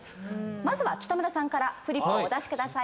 まずは北村さんからフリップをお出しください。